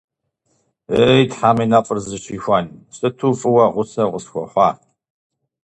- Е, Тхьэм и нэфӀыр зыщихуэн, сыту фӀыуэ гъусэ укъысхуэхъуа!